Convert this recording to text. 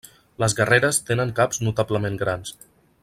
Les guerreres tenen caps notablement grans.